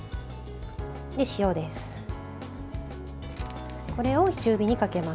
塩です。